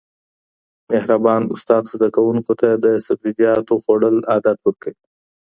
مهربان استاد زده کوونکو ته د سبزیجاتو خوړل عادت ورکوي.